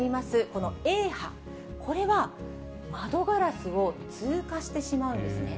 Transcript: このＡ波、これは窓ガラスを通過してしまうんですね。